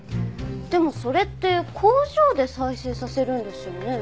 でもそれって工場で再生させるんですよね。